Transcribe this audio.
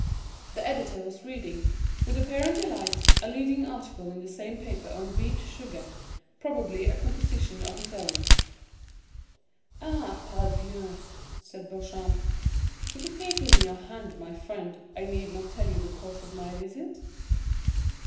The editor was reading, with apparent delight, a leading article in the same paper on beet sugar, probably a composition of his own. "Ah, pardieu!" said Beauchamp, "with the paper in your hand, my friend, I need not tell you the cause of my visit."